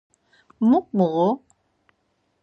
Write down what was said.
Muk muğu.